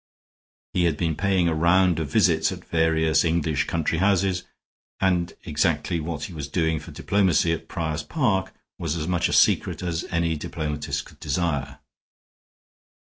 He had been paying a round of visits at various English country houses, and exactly what he was doing for diplomacy at Prior's Park was as much a secret as any diplomatist could desire.